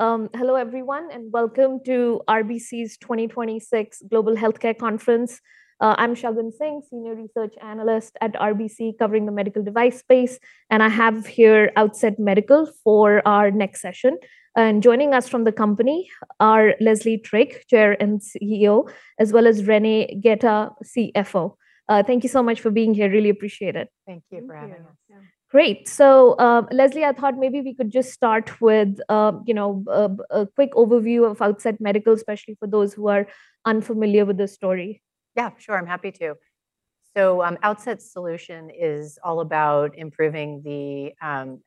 Hello everyone, welcome to RBC's 2026 Global Healthcare Conference. I'm Shagun Singh, Senior Research Analyst at RBC covering the medical device space. I have here Outset Medical for our next session. Joining us from the company are Leslie Trigg, Chair and CEO, as well as Renee Gaeta, CFO. Thank you so much for being here. Really appreciate it. Thank you for having us. Thank you. Yeah. Great. Leslie, I thought maybe we could just start with, you know, a quick overview of Outset Medical, especially for those who are unfamiliar with the story. Yeah, sure. I'm happy to. Outset's solution is all about improving the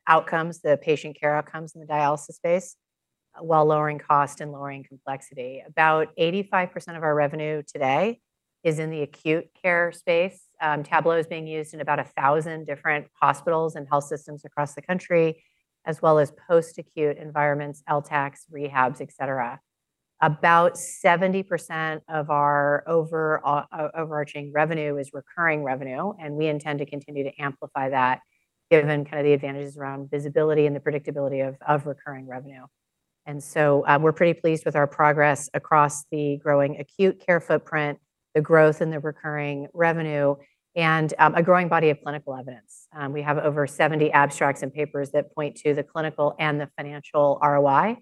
outcomes, the patient care outcomes in the dialysis space, while lowering cost and lowering complexity. About 85% of our revenue today is in the acute care space. Tablo is being used in about 1,000 different hospitals and health systems across the country, as well as post-acute environments, LTACs, rehabs, et cetera. About 70% of our overarching revenue is recurring revenue, we intend to continue to amplify that given kind of the advantages around visibility and the predictability of recurring revenue. We're pretty pleased with our progress across the growing acute care footprint, the growth in the recurring revenue, and a growing body of clinical evidence. We have over 70 abstracts and papers that point to the clinical and the financial ROI,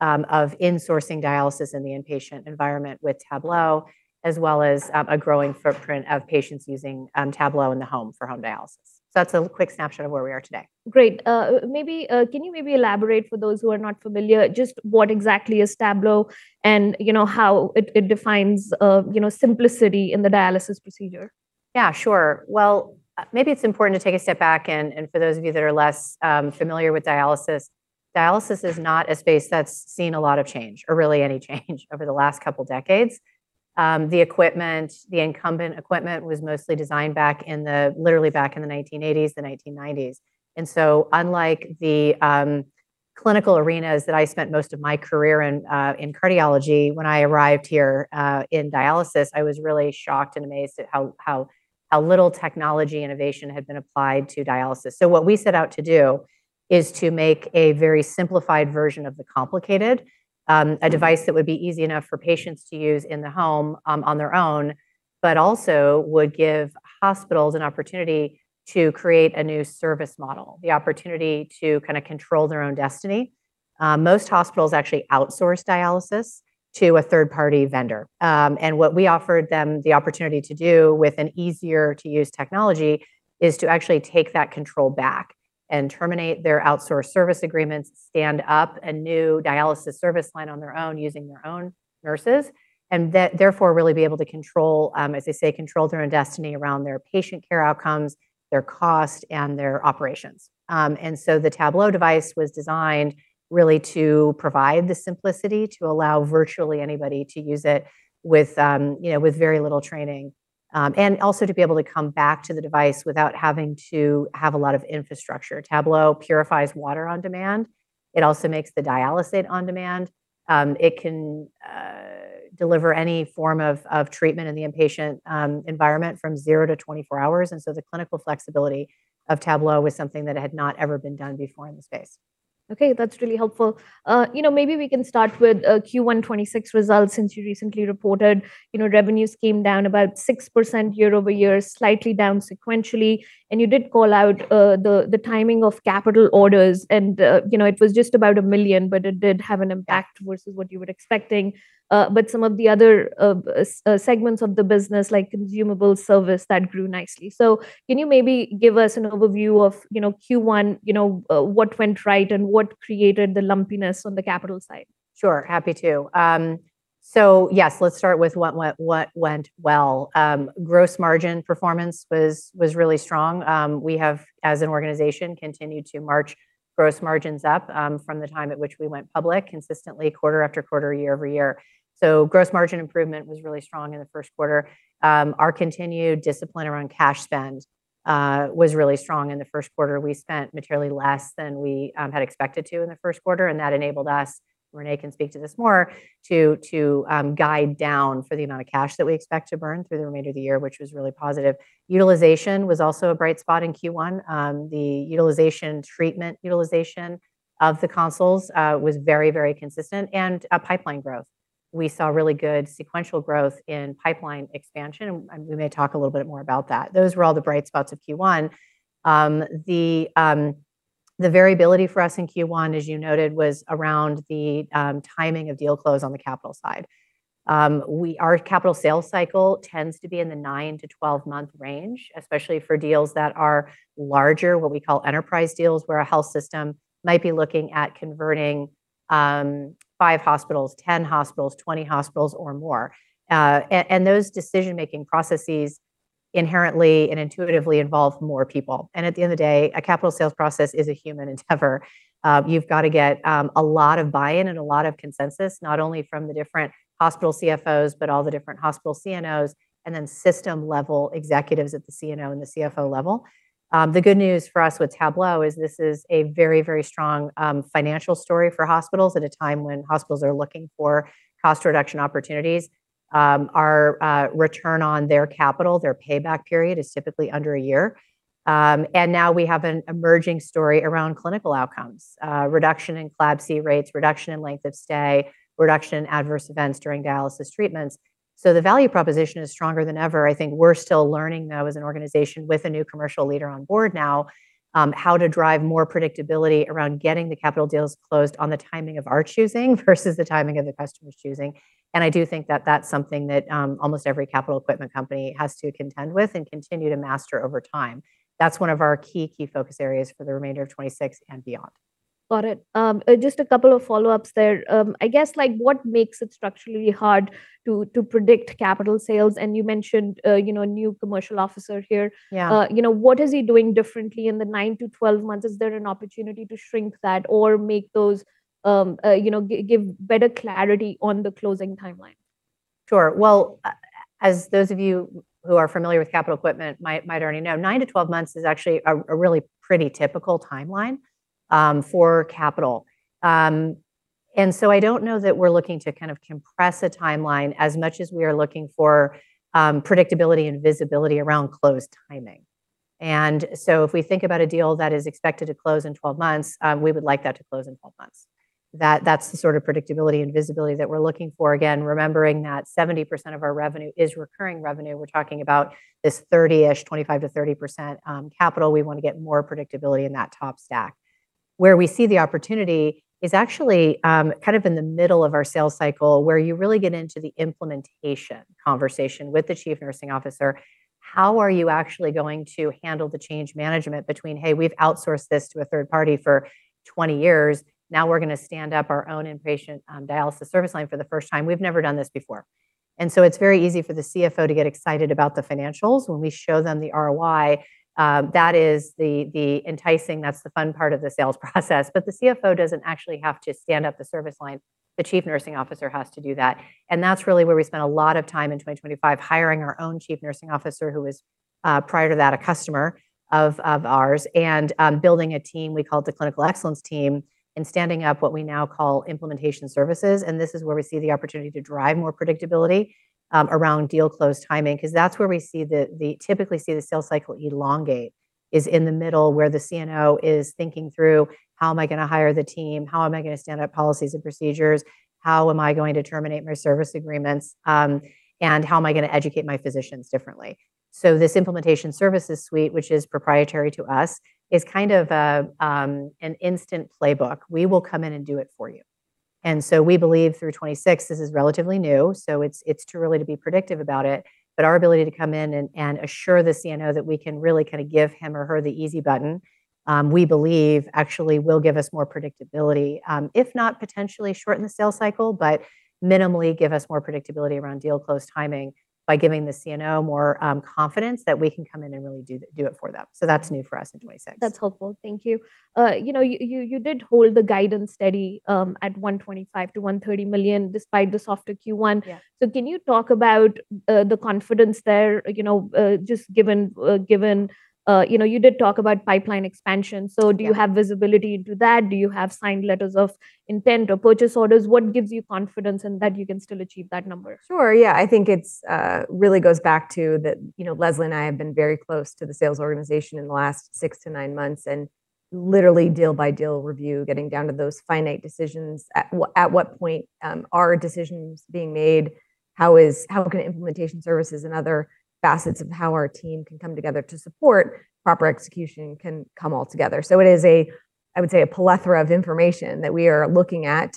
of insourcing dialysis in the inpatient environment with Tablo, as well as, a growing footprint of patients using, Tablo in the home for home dialysis. That's a quick snapshot of where we are today. Great. Maybe, can you maybe elaborate for those who are not familiar, just what exactly is Tablo and, you know, how it defines, you know, simplicity in the dialysis procedure? Yeah, sure. Well, maybe it's important to take a step back and for those of you that are less familiar with dialysis is not a space that's seen a lot of change or really any change over the last couple decades. The equipment, the incumbent equipment was mostly designed back in, literally back in the 1980s, the 1990s. Unlike the clinical arenas that I spent most of my career in cardiology, when I arrived here, in dialysis, I was really shocked and amazed at how little technology innovation had been applied to dialysis. What we set out to do is to make a very simplified version of the complicated. A device that would be easy enough for patients to use in the home, on their own, but also would give hospitals an opportunity to create a new service model, the opportunity to kinda control their own destiny. Most hospitals actually outsource dialysis to a third-party vendor. What we offered them the opportunity to do with an easier-to-use technology is to actually take that control back and terminate their outsourced service agreements, stand up a new dialysis service line on their own using their own nurses, therefore really be able to control, as they say, control their own destiny around their patient care outcomes, their cost, and their operations. The Tablo device was designed really to provide the simplicity to allow virtually anybody to use it with, you know, with very little training, and also to be able to come back to the device without having to have a lot of infrastructure. Tablo purifies water on demand. It also makes the dialysate on demand. It can deliver any form of treatment in the inpatient environment from 0-24 hours, the clinical flexibility of Tablo was something that had not ever been done before in the space. Okay, that's really helpful. You know, maybe we can start with Q1 2026 results since you recently reported, you know, revenues came down about 6% year-over-year, slightly down sequentially, and you did call out the timing of capital orders and, you know, it was just about $1 million, but it did have an impact versus what you were expecting. Some of the other segments of the business like consumable service, that grew nicely. Can you maybe give us an overview of, you know, Q1, you know, what went right and what created the lumpiness on the capital side? Sure. Happy to. Yes, let's start with what went well. Gross margin performance was really strong. We have, as an organization, continued to march gross margins up from the time at which we went public consistently quarter after quarter, year over year. Gross margin improvement was really strong in the first quarter. Our continued discipline around cash spend was really strong in the first quarter. We spent materially less than we had expected to in the first quarter, and that enabled us, Renee can speak to this more, to guide down for the amount of cash that we expect to burn through the remainder of the year, which was really positive. Utilization was also a bright spot in Q1. The treatment utilization of the consoles was very consistent and pipeline growth. We saw really good sequential growth in pipeline expansion. We may talk a little bit more about that. Those were all the bright spots of Q1. The variability for us in Q1, as you noted, was around the timing of deal close on the capital side. Our capital sales cycle tends to be in the 9-12 month range, especially for deals that are larger, what we call enterprise deals, where a health system might be looking at converting five hospitals, 10 hospitals, 20 hospitals or more. Those decision-making processes inherently and intuitively involve more people. At the end of the day, a capital sales process is a human endeavor. You've got to get a lot of buy-in and a lot of consensus, not only from the different hospital CFOs, but all the different hospital CNOs and then system-level executives at the CNO and the CFO level. The good news for us with Tablo is this is a very, very strong financial story for hospitals at a time when hospitals are looking for cost reduction opportunities. Our return on their capital, their payback period is typically under a year. And now we have an emerging story around clinical outcomes, reduction in CLABSI rates, reduction in length of stay, reduction in adverse events during dialysis treatments. The value proposition is stronger than ever. I think we're still learning, though, as an organization with a new commercial leader on board now, how to drive more predictability around getting the capital deals closed on the timing of our choosing versus the timing of the customer's choosing. I do think that that's something that almost every capital equipment company has to contend with and continue to master over time. That's one of our key focus areas for the remainder of 2026 and beyond. Got it. Just a couple of follow-ups there. I guess, like, what makes it structurally hard to predict capital sales? You mentioned, you know, a new commercial officer here. Yeah. You know, what is he doing differently in the 9-12 months? Is there an opportunity to shrink that or make those, you know, give better clarity on the closing timeline? Sure. Well, as those of you who are familiar with capital equipment might already know, 9-12 months is actually a really pretty typical timeline for capital. I don't know that we're looking to kind of compress a timeline as much as we are looking for predictability and visibility around close timing. If we think about a deal that is expected to close in 12 months, we would like that to close in 12 months. That's the sort of predictability and visibility that we're looking for. Again, remembering that 70% of our revenue is recurring revenue. We're talking about this 30-ish, 25%-30% capital. We wanna get more predictability in that top stack. Where we see the opportunity is actually kind of in the middle of our sales cycle, where you really get into the implementation conversation with the Chief Nursing Officer. How are you actually going to handle the change management between, "Hey, we've outsourced this to a third party for 20 years. Now we're going to stand up our own inpatient dialysis service line for the first time. We've never done this before"? It's very easy for the CFO to get excited about the financials when we show them the ROI. That is the enticing, that is the fun part of the sales process. The CFO does not actually have to stand up the service line. The Chief Nursing Officer has to do that. That's really where we spent a lot of time in 2025 hiring our own Chief Nursing Officer, who was prior to that, a customer of ours, and building a team, we call it the Clinical Excellence team, and standing up what we now call implementation services. This is where we see the opportunity to drive more predictability around deal close timing, 'cause that's where we typically see the sales cycle elongate, is in the middle where the CNO is thinking through, "How am I gonna hire the team? How am I gonna stand up policies and procedures? How am I going to terminate my service agreements? And how am I gonna educate my physicians differently?" This implementation services suite, which is proprietary to us, is kind of an instant playbook. We will come in and do it for you. We believe through 2026 this is relatively new, so it's too early to be predictive about it. Our ability to come in and assure the CNO that we can really kind of give him or her the easy button, we believe actually will give us more predictability, if not potentially shorten the sales cycle, but minimally give us more predictability around deal close timing by giving the CNO more confidence that we can come in and really do it for them. That's new for us in 2026. That's helpful. Thank you. You know, you did hold the guidance steady at $125 million-$130 million despite the softer Q1. Yeah. Can you talk about the confidence there, you know, just given, you know, you did talk about pipeline expansion? Yeah. Do you have visibility into that? Do you have signed letters of intent or purchase orders? What gives you confidence in that you can still achieve that number? Sure, yeah. I think it's really goes back to that, you know, Leslie and I have been very close to the sales organization in the last six to nine months, and literally deal by deal review, getting down to those finite decisions, at what point are decisions being made? How can implementation services and other facets of how our team can come together to support proper execution can come all together? It is a, I would say, a plethora of information that we are looking at,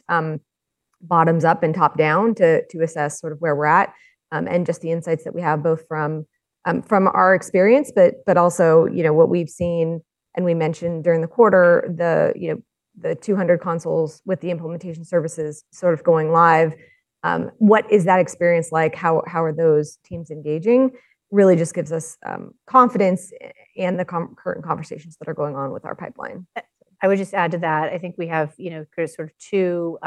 bottoms up and top down to assess sort of where we're at, and just the insights that we have both from our experience, but also, you know, what we've seen and we mentioned during the quarter, the, you know, the 200 consoles with the implementation services sort of going live. What is that experience like? How, how are those teams engaging? Really just gives us confidence in the current conversations that are going on with our pipeline. I would just add to that, I think we have, you know, Chris, sort of two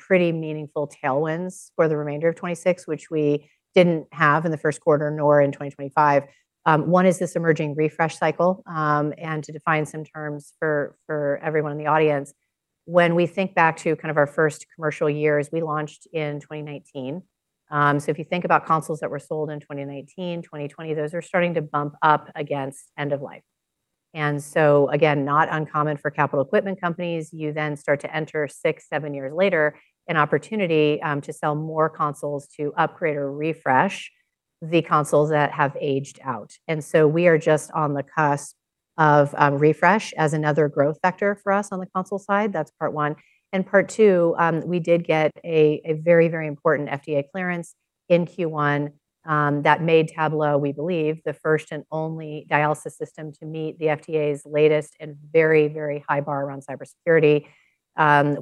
pretty meaningful tailwinds for the remainder of 2026, which we didn't have in the first quarter nor in 2025. One is this emerging refresh cycle, and to define some terms for everyone in the audience. When we think back to kind of our first commercial years, we launched in 2019. So if you think about consoles that were sold in 2019, 2020, those are starting to bump up against end of life. Again, not uncommon for capital equipment companies. You then start to enter six, seven years later an opportunity to sell more consoles to upgrade or refresh the consoles that have aged out. We are just on the cusp of refresh as another growth factor for us on the console side. That's part one. Part two, we did get a very, very important FDA clearance in Q1 that made Tablo, we believe, the first and only dialysis system to meet the FDA's latest and very, very high bar around cybersecurity.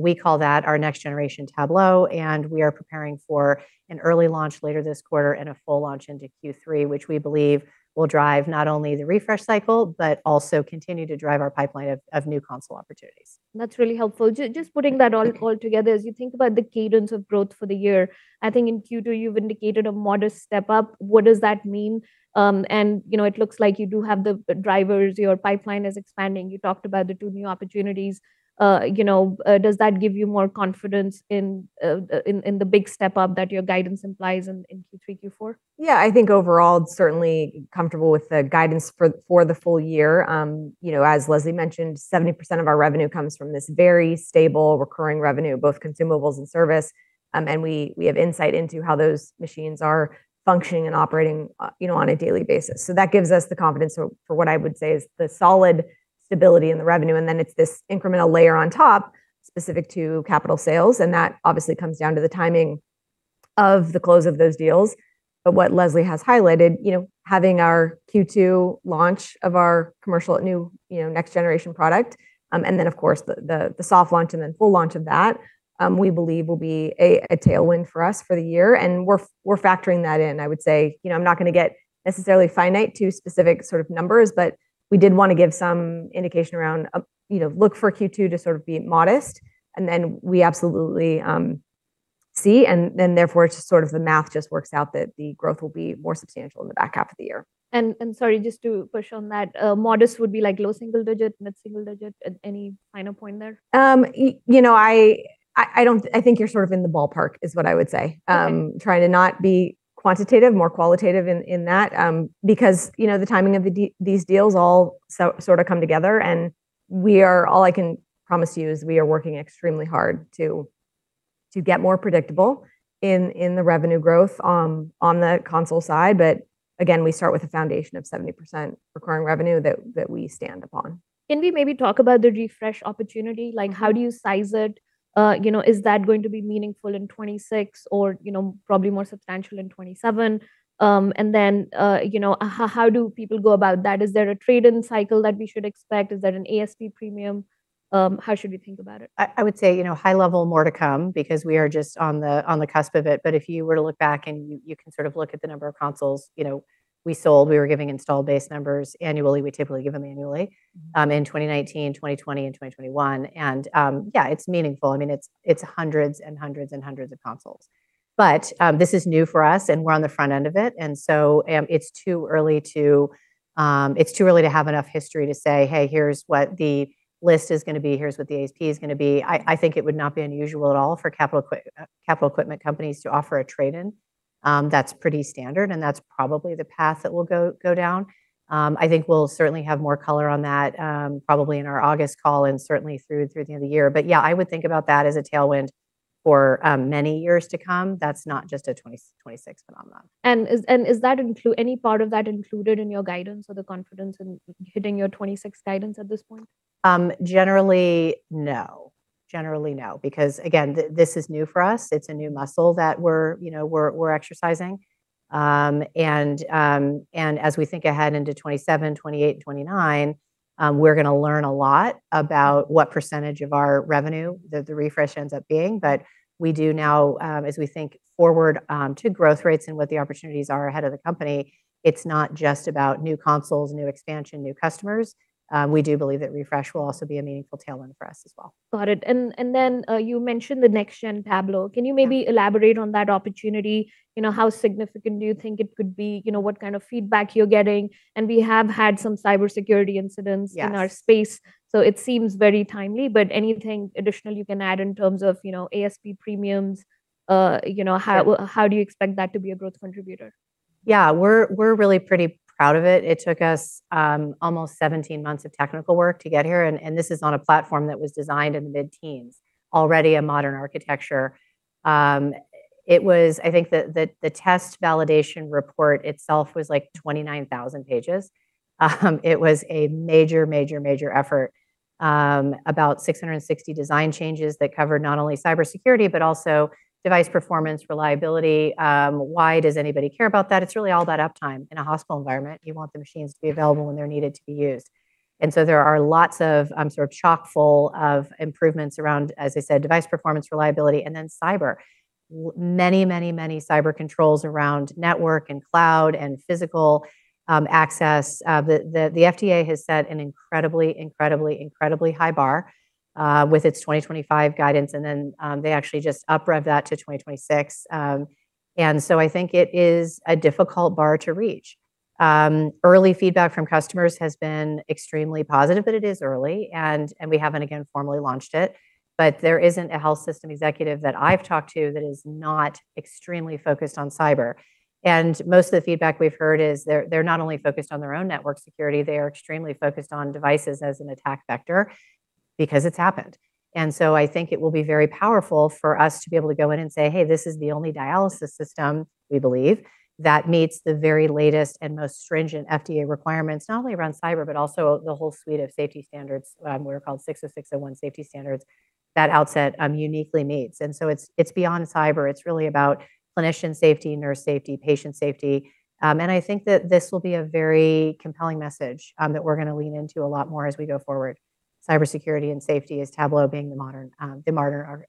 We call that our next-generation Tablo, we are preparing for an early launch later this quarter and a full launch into Q3, which we believe will drive not only the refresh cycle, but also continue to drive our pipeline of new console opportunities. That's really helpful. Just putting that all together, as you think about the cadence of growth for the year, I think in Q2 you've indicated a modest step-up. What does that mean? You know, it looks like you do have the drivers. Your pipeline is expanding. You talked about the two new opportunities. You know, does that give you more confidence in the big step-up that your guidance implies in Q3, Q4? Yeah. I think overall, certainly comfortable with the guidance for the full year. You know, as Leslie mentioned, 70% of our revenue comes from this very stable recurring revenue, both consumables and service. We have insight into how those machines are functioning and operating, you know, on a daily basis. That gives us the confidence for what I would say is the solid stability in the revenue, it's this incremental layer on top specific to capital sales, that obviously comes down to the timing of the close of those deals. What Leslie has highlighted, you know, having our Q2 launch of our commercial new, you know, next-generation product, of course the soft launch and then full launch of that, we believe will be a tailwind for us for the year. We're factoring that in. I would say, you know, I'm not gonna get necessarily finite to specific sort of numbers, but we did wanna give some indication around, you know, look for Q2 to sort of be modest, and then we absolutely see, and then therefore just sort of the math just works out that the growth will be more substantial in the back half of the year. Sorry, just to push on that, modest would be like low single digit, mid-single digit at any final point there? you know, I think you're sort of in the ballpark is what I would say. Okay. Trying to not be quantitative, more qualitative in that, because, you know, the timing of these deals all sorta come together. All I can promise you is we are working extremely hard to get more predictable in the revenue growth on the console side. Again, we start with a foundation of 70% recurring revenue that we stand upon. Can we maybe talk about the refresh opportunity? Like how do you size it? You know, is that going to be meaningful in 2026 or, you know, probably more substantial in 2027? You know, how do people go about that? Is there a trade-in cycle that we should expect? Is there an ASP premium? How should we think about it? I would say, you know, high level more to come because we are just on the cusp of it. If you were to look back and you can sort of look at the number of consoles, you know, we sold, we were giving install base numbers annually. We typically give them annually. In 2019, 2020, and 2021. Yeah, it's meaningful. I mean, it's hundreds and hundreds and hundreds of consoles. This is new for us, and we're on the front end of it's too early to have enough history to say, "Hey, here's what the list is gonna be. Here's what the ASP is gonna be." I think it would not be unusual at all for capital equipment companies to offer a trade-in. That's pretty standard, and that's probably the path that we'll go down. I think we'll certainly have more color on that, probably in our August call and certainly through the end of the year. Yeah, I would think about that as a tailwind for many years to come. That's not just a 2026 phenomenon. Is that any part of that included in your guidance or the confidence in hitting your 2026 guidance at this point? Generally, no. Generally, no. Because again, this is new for us. It's a new muscle that we're, you know, we're exercising. And as we think ahead into 2027, 2028, and 2029, we're gonna learn a lot about what percentage of our revenue the refresh ends up being. We do now, as we think forward to growth rates and what the opportunities are ahead of the company, it's not just about new consoles, new expansion, new customers. We do believe that refresh will also be a meaningful tailwind for us as well. Got it. You mentioned the next-generation Tablo. Yeah. Can you maybe elaborate on that opportunity? You know, how significant do you think it could be? You know, what kind of feedback you're getting? We have had some cybersecurity incidents- Yes. in our space, so it seems very timely. Anything additional you can add in terms of, you know, ASP premiums? Sure. How do you expect that to be a growth contributor? We're really pretty proud of it. It took us almost 17 months of technical work to get here. This is on a platform that was designed in the mid-teens, already a modern architecture. I think the test validation report itself was like 29,000 pages. It was a major effort. About 660 design changes that covered not only cybersecurity, but also device performance, reliability. Why does anybody care about that? It's really all about uptime. In a hospital environment, you want the machines to be available when they're needed to be used. There are lots of sort of chock full of improvements around, as I said, device performance, reliability, and then cyber. Many cyber controls around network and cloud and physical access. The FDA has set an incredibly, incredibly high bar with its 2025 guidance, and then they actually just uprevved that to 2026. I think it is a difficult bar to reach. Early feedback from customers has been extremely positive, it is early and we haven't, again, formally launched it. There isn't a health system executive that I've talked to that is not extremely focused on cyber. Most of the feedback we've heard is they're not only focused on their own network security, they are extremely focused on devices as an attack vector because it's happened. I think it will be very powerful for us to be able to go in and say, "Hey, this is the only dialysis system," we believe, "that meets the very latest and most stringent FDA requirements," not only around cyber, but also the whole suite of safety standards, we're called IEC 60601 safety standards that Outset uniquely meets. It's beyond cyber. It's really about clinician safety, nurse safety, patient safety. I think that this will be a very compelling message that we're gonna lean into a lot more as we go forward. Cybersecurity and safety is Tablo being the modern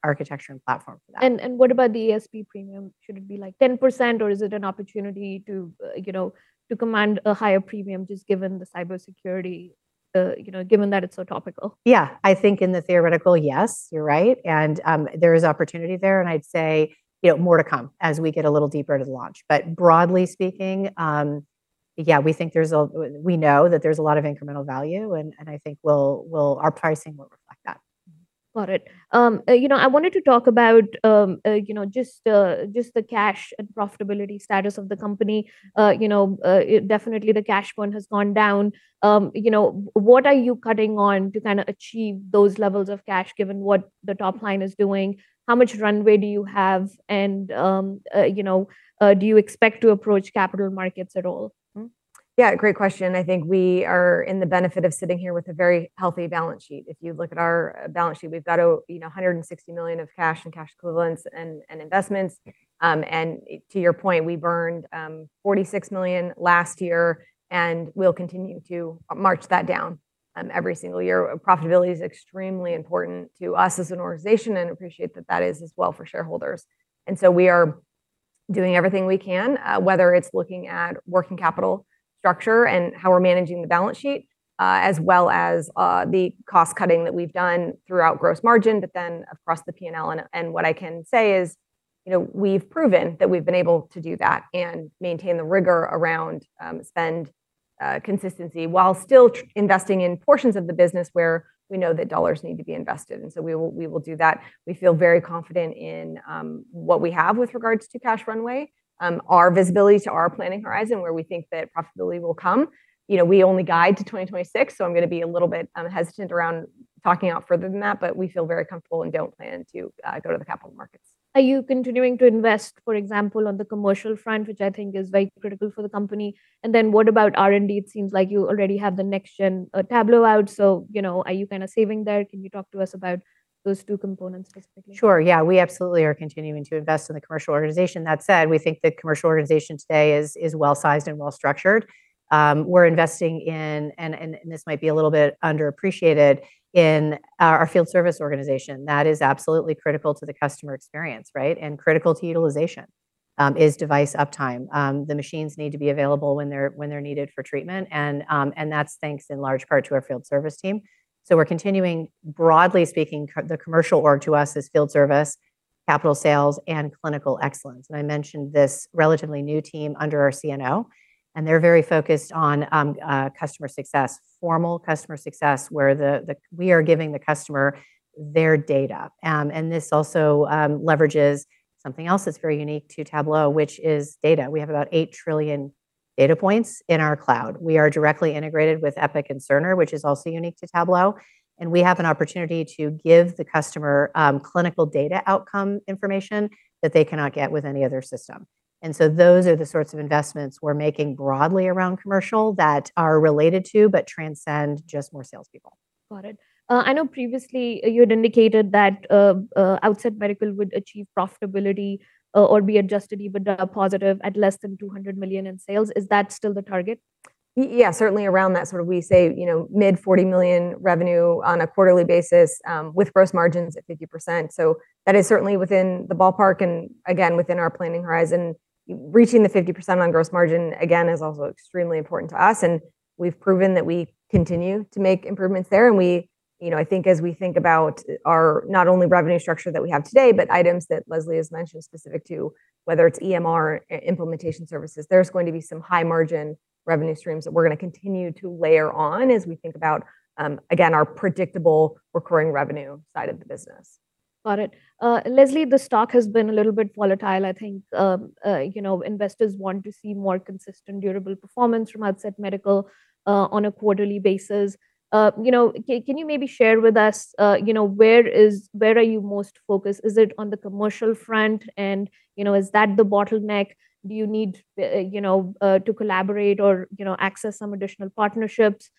architecture and platform for that. What about the ASP premium? Should it be like 10%, or is it an opportunity to, you know, to command a higher premium just given the cybersecurity, you know, given that it's so topical? Yeah. I think in the theoretical, yes, you're right. There is opportunity there, and I'd say, you know, more to come as we get a little deeper into the launch. Broadly speaking, yeah, we know that there's a lot of incremental value and I think we'll our pricing will reflect that. Got it. You know, I wanted to talk about, you know, just the cash and profitability status of the company. You know, definitely the cash burn has gone down. You know, what are you cutting on to kind of achieve those levels of cash given what the top line is doing? How much runway do you have? Do you expect to approach capital markets at all? Hmm. Yeah, great question. I think we are in the benefit of sitting here with a very healthy balance sheet. If you look at our balance sheet, we've got you know, $160 million of cash and cash equivalents and investments. To your point, we burned $46 million last year, we'll continue to march that down every single year. Profitability is extremely important to us as an organization, and we appreciate that that is as well for shareholders. We are doing everything we can, whether it's looking at working capital structure and how we're managing the balance sheet, as well as the cost-cutting that we've done throughout gross margin, across the P&L. What I can say is, you know, we've proven that we've been able to do that and maintain the rigor around spend consistency while still investing in portions of the business where we know that dollars need to be invested, we will do that. We feel very confident in what we have with regards to cash runway, our visibility to our planning horizon, where we think that profitability will come. You know, we only guide to 2026, I'm gonna be a little bit hesitant around talking out further than that. We feel very comfortable and don't plan to go to the capital markets. Are you continuing to invest, for example, on the commercial front, which I think is very critical for the company? What about R&D? It seems like you already have the next-generation Tablo out. You know, are you kinda saving there? Can you talk to us about those two components specifically? Sure, yeah. We absolutely are continuing to invest in the commercial organization. That said, we think the commercial organization today is well-sized and well-structured. We're investing in, and this might be a little bit underappreciated, in our field service organization. That is absolutely critical to the customer experience, right, and critical to utilization, is device uptime. The machines need to be available when they're needed for treatment, and that's thanks in large part to our field service team. We're continuing Broadly speaking, the commercial org to us is field service, capital sales, and Clinical Excellence. I mentioned this relatively new team under our CNO, and they're very focused on customer success, formal customer success, where the we are giving the customer their data. This also leverages something else that's very unique to Tablo, which is data. We have about 8 trillion data points in our cloud. We are directly integrated with Epic and Cerner, which is also unique to Tablo, and we have an opportunity to give the customer clinical data outcome information that they cannot get with any other system. Those are the sorts of investments we're making broadly around commercial that are related to, but transcend just more salespeople. Got it. I know previously you had indicated that Outset Medical would achieve profitability or be adjusted EBITDA positive at less than $200 million in sales. Is that still the target? Yeah, certainly around that sort of we say, you know, mid-$40 million revenue on a quarterly basis, with gross margins at 50%. That is certainly within the ballpark and, again, within our planning horizon. Reaching the 50% on gross margin, again, is also extremely important to us, and we've proven that we continue to make improvements there. We, you know, I think as we think about our not only revenue structure that we have today, but items that Leslie has mentioned specific to whether it's EMR implementation services, there's going to be some high margin revenue streams that we're going to continue to layer on as we think about, again, our predictable recurring revenue side of the business. Got it. Leslie, the stock has been a little bit volatile, I think. You know, investors want to see more consistent, durable performance from Outset Medical on a quarterly basis. You know, can you maybe share with us, you know, where are you most focused? Is it on the commercial front? You know, is that the bottleneck? Do you need, you know, to collaborate or, you know, access some additional partnerships?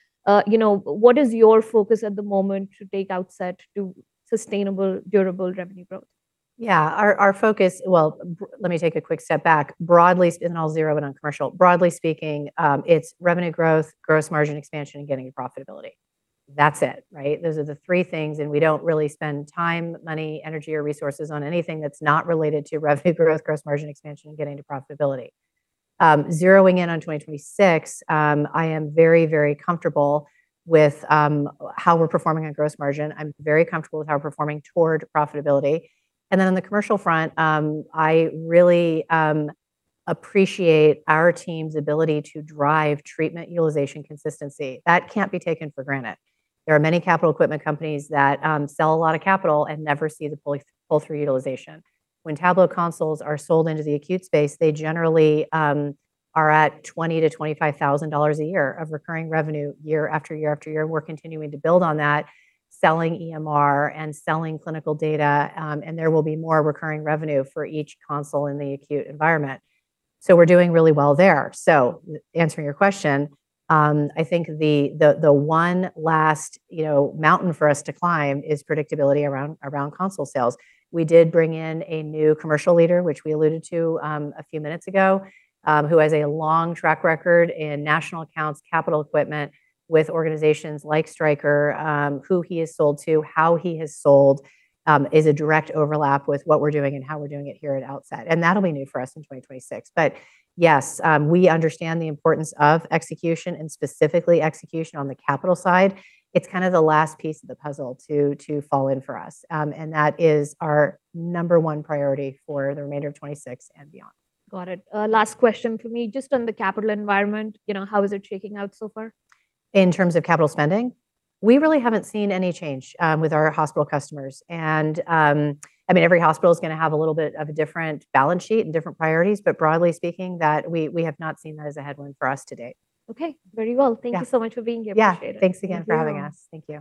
You know, what is your focus at the moment to take Outset to sustainable, durable revenue growth? Our focus. Well, let me take a quick step back. Broadly, and I'll zero in on commercial. Broadly speaking, it's revenue growth, gross margin expansion, and getting to profitability. That's it, right? Those are the three things. We don't really spend time, money, energy, or resources on anything that's not related to revenue growth, gross margin expansion, and getting to profitability. Zeroing in on 2026, I am very, very comfortable with how we're performing on gross margin. I'm very comfortable with how we're performing toward profitability. Then on the commercial front, I really appreciate our team's ability to drive treatment utilization consistency. That can't be taken for granted. There are many capital equipment companies that sell a lot of capital and never see the pull-through utilization. When Tablo consoles are sold into the acute space, they generally are at $20,000-$25,000 a year of recurring revenue year after year after year. We're continuing to build on that, selling EMR and selling clinical data. There will be more recurring revenue for each console in the acute environment. We're doing really well there. Answering your question, I think the one last, you know, mountain for us to climb is predictability around console sales. We did bring in a new commercial leader, which we alluded to a few minutes ago, who has a long track record in national accounts, capital equipment with organizations like Stryker. Who he has sold to, how he has sold, is a direct overlap with what we're doing and how we're doing it here at Outset, and that'll be new for us in 2026. Yes, we understand the importance of execution and specifically execution on the capital side. It's kind of the last piece of the puzzle to fall in for us. That is our number one priority for the remainder of 2026 and beyond. Got it. Last question for me. Just on the capital environment, you know, how is it shaking out so far? In terms of capital spending? We really haven't seen any change with our hospital customers. I mean, every hospital's gonna have a little bit of a different balance sheet and different priorities, but broadly speaking that we have not seen that as a headwind for us to date. Okay. Very well. Yeah. Thank you so much for being here. Yeah. Appreciate it. Thanks again for having us. Thank you.